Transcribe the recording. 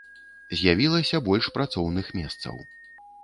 З'явілася больш працоўных месцаў.